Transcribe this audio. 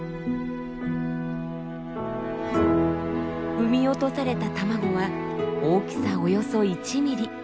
産み落とされた卵は大きさおよそ１ｍｍ。